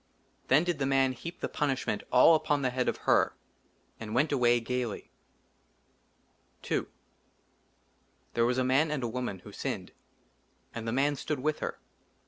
THEN DID THE MAN HEAP THE PUNISHMENT ALL UPON THE HEAD OF HER, AND WENT AWAY GAILY. II THERE WAS A MAN AND A WOMAN WHO SINNED. AND THE MAN STOOD WITH HER.